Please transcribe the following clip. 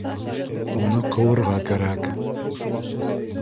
Уны ҡыуырға кәрәк